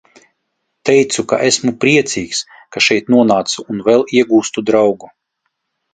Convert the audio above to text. Teicu, ka esmu priecīgs, ka šeit nonācu un vēl iegūstu draugu.